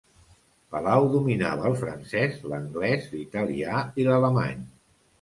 Palau dominava el francès, l'anglès, l'italià i l'alemany.